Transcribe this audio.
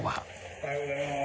おはようございます。